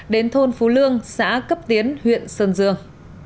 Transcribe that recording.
đến thôn phú lương xã cấp tiến huyện sơn dương